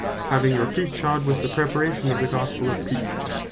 "Having your feet shod with the Preparation of the Gospell of Peace."